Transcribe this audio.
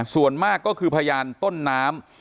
ส่วนมากก็คือพยานต้นน้ำ